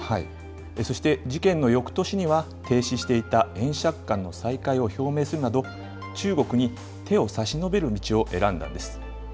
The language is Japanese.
そして事件のよくとしには、停止していた円借款の再開を表明するなど、中国に手を差し伸べる道を選んだんです。